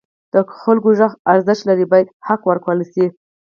د خلکو غږ ارزښت لري او باید حق ورکړل شي.